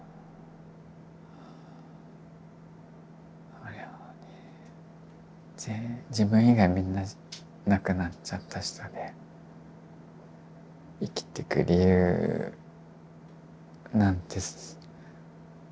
あれはね自分以外みんな亡くなっちゃった人で生きてく理由なんて探せないなって。